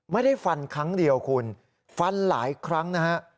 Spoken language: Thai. ไม่ได้ฟันครั้งเดียวคุณฟันหลายครั้งนะฮะ